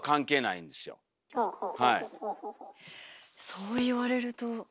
そう言われると。